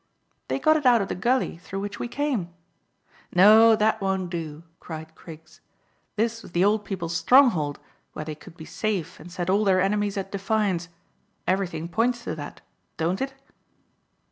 "They got it out of the gully through which we came." "No, that won't do," cried Griggs. "This was the old people's stronghold, where they could be safe and set all their enemies at defiance. Everything points to that. Don't it?"